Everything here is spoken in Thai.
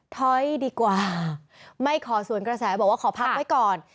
ถอยดีกว่าไม่ขอสวนกระแสบอกว่าขอพักไว้ก่อน